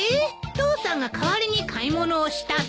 父さんが代わりに買い物をしたの？